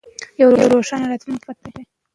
یو روښانه راتلونکی زموږ په تمه دی.